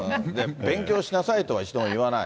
勉強しなさいとは一度も言わない。